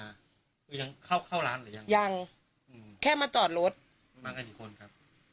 คือยังเข้าเข้าร้านหรือยังยังอืมแค่มาจอดรถมากันกี่คนครับ